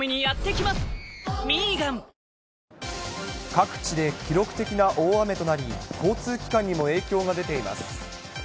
各地で記録的な大雨となり、交通機関にも影響が出ています。